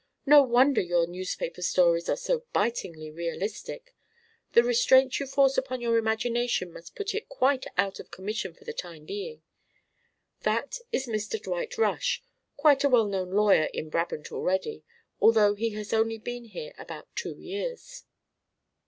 "No wonder your newspaper stories are so bitingly realistic; the restraints you force upon your imagination must put it quite out of commission for the time being. That is Mr. Dwight Rush, quite a well known lawyer in Brabant already, although he has only been here about two years."